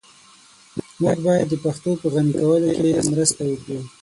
موږ بايد د پښتو په غني کولو کي مرسته وکړو.